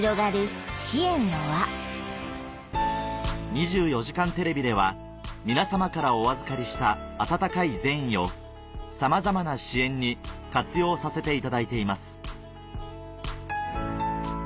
『２４時間テレビ』では皆さまからお預かりしたあたたかい善意をさまざまな支援に活用させていただいています